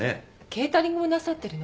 ケータリングもなさってるの？